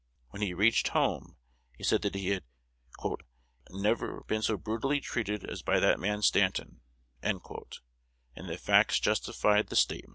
When he reached home he said that he had "never been so brutally treated as by that man Stanton;" and the facts justified the statement.